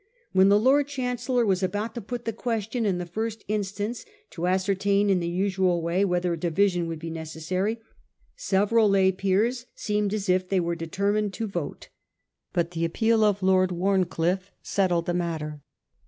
When the Lord Chancellor was about to put the question in the first instance, to ascertain in the usual way whether a division would be necessary, several lay peers seemed as if they were determined to vote. But the appeal of Lord Wharncliffe settled the matter.